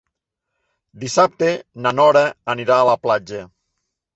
Dissabte na Nora anirà a la platja.